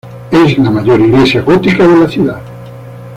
Es la mayor iglesia gótica de la ciudad.